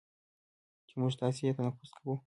چې موږ تاسې یې تنفس کوو،